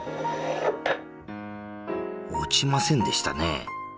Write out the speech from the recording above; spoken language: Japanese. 落ちませんでしたね。